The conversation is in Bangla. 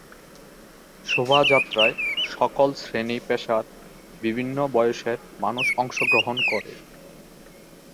শোভাযাত্রায় সকল শ্রেণী-পেশার বিভিন্ন বয়সের মানুষ অংশগ্রহণ করে।